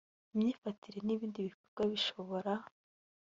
imyifatire n ibindi bikorwa bishobora